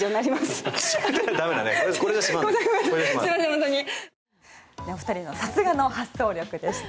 本当にお２人のさすがの発想力でした。